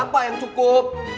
apa yang cukup